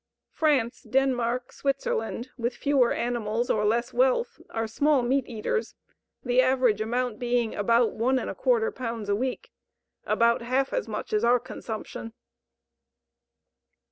France, Denmark, Switzerland, with fewer animals or less wealth, are small meat eaters, the average amount being about 1½ pounds a week about half as much as our consumption.